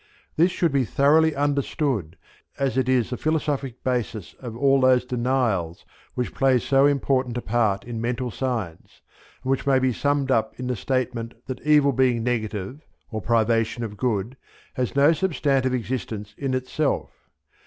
This should be thoroughly understood as it is the philosophic basis of all those "denials" which play so important a, part in Mental Science, and which may be summed up in the statement that evil being negative, or privation of good, has no substantive existence in itself.